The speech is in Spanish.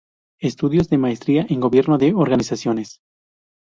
Estudios de Maestría en Gobierno de Organizaciones.